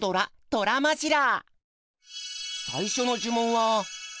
トラマジラ！」。